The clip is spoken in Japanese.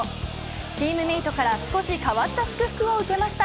チームメートから少し変わった祝福を受けました。